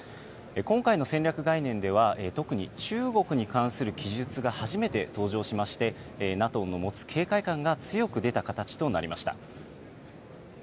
今回の戦略概念では、特に中国に関する記述が初めて登場しまして、ＮＡＴＯの持つ警戒感が強く出た形となりました。